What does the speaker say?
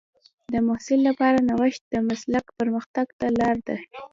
د محصل لپاره نوښت د مسلک پرمختګ ته لار ده.